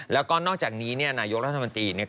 แล้วก็นอกจากนี้นายกรัฐมนตรี